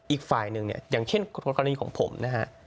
อีกฝ่ายหนึ่งเนี่ยอย่างเช่นกรณีของผมนะฮะ